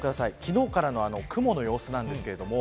昨日からの雲の様子です。